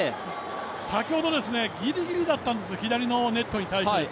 先ほどギリギリだったんです、左のネットに対して。